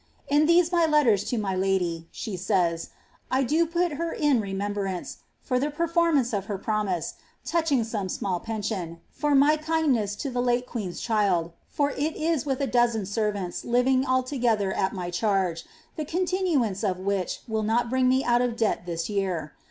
I these my letters to my lady,'' she says, ^ I do put her in remem Dce, for the performance of her promise, touching some small pen 1, for my kindness to the late queen's child, for it is with a dozen rants living altogether at my chai^, the continuance of which will bring me out of debt this year.